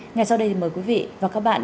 ngày sau đây mời quý vị và các bạn